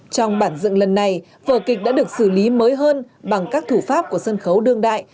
trong bản dựng lần này vở kịch đã được xử lý mới hơn bằng các thủ pháp của sân khấu đương đại